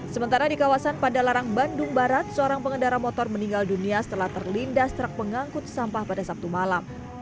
sementara di kawasan padalarang bandung barat seorang pengendara motor meninggal dunia setelah terlindas truk pengangkut sampah pada sabtu malam